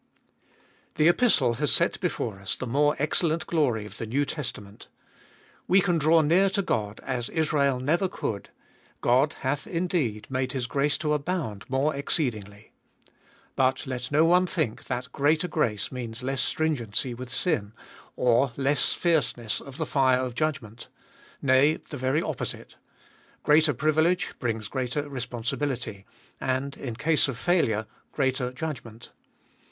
THE Epistle has set before us the more excellent glory of the New Testament. We can draw near to God as Israel never could ; God hath indeed made His grace to abound more exceedingly. But let no one think that greater grace means less stringency with sin, or less fierceness of the fire of judgment. Nay, the very opposite. Greater privilege brings greater responsi bility, and, in case of failure, greater judgment.